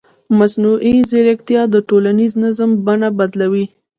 مصنوعي ځیرکتیا د ټولنیز نظم بڼه بدلوي.